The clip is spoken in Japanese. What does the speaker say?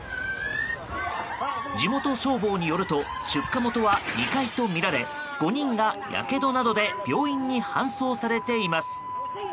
地元消防によると出火元は２階とみられ５人が、やけどなどで病院に搬送されています。